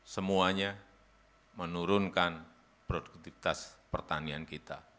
semuanya menurunkan produktivitas pertanian kita